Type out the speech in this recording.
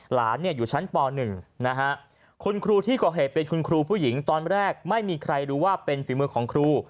หลานอยู่ชั้นป๑นะฮะคุณครูที่ก่อเหตุเป็นคุณครูผู้หญิงตอนแรกไม่มีใครรู้ว่าเป็นฝีมือของครู